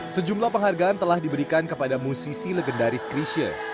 sejumlah penghargaan telah diberikan kepada musisi legendaris krisha